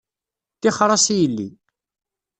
Tixer-as i yelli